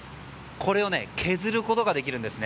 これを削ることができるんです。